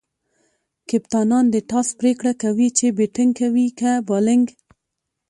کپتانان د ټاس پرېکړه کوي، چي بيټینګ کوي؛ که بالینګ.